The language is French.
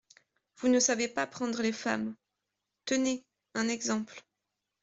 Vous ne savez pas prendre les femmes … Tenez ! un exemple.